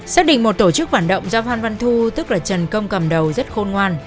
xác định một tổ chức phản động do phan văn thu tức là trần công cầm đầu rất khôn ngoan